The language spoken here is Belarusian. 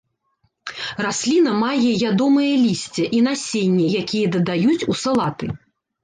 Расліна мае ядомае лісце і насенне, якія дадаюць у салаты.